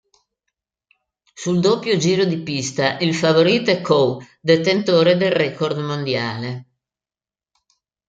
Sul doppio giro di pista il favorito è Coe, detentore del record mondiale.